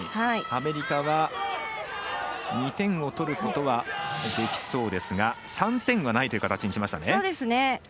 アメリカは２点を取ることはできそうですが３点はないという形にしましたね。